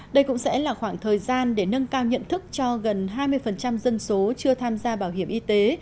đây cũng sẽ là khoảng thời gian để nâng cao nhận thức cho gần hai mươi dân số chưa tham gia bảo hiểm y tế